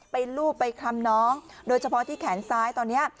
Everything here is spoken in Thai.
ลูบไปคลำน้องโดยเฉพาะที่แขนซ้ายตอนนี้